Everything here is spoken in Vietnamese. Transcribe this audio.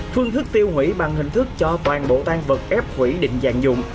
phương thức tiêu hủy bằng hình thức cho toàn bộ tan vật ép hủy định dạng dùng